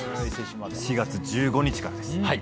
４月１５日からです。